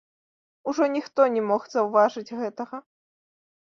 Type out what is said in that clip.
Ужо ніхто не мог заўважыць гэтага.